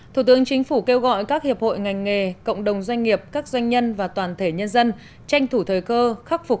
thủ tướng chính phủ kêu gọi các hiệp hội ngành nghề cộng đồng doanh nghiệp các doanh nhân và toàn thể nhân dân tranh thủ thời cơ khắc phục